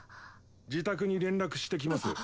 自宅に連絡してきます。